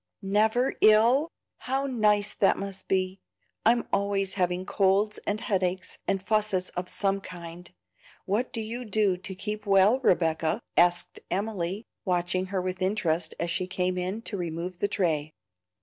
"Never ill! how nice that must be! I'm always having colds and headaches, and fusses of some kind. What do you do to keep well, Rebecca?" asked Emily, watching her with interest, as she came in to remove the tray.